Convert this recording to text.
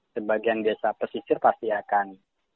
sebagian desa pesisir pasti akan